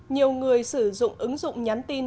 nhiều người sử dụng ứng dụng nhắn tin